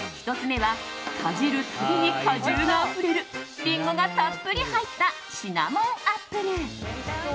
１つ目はかじる度に果汁があふれるリンゴがたっぷり入ったシナモンアップル。